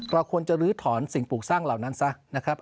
เราควรจะลื้อถอนสิ่งปลูกสร้างเหล่านั้นซะนะครับ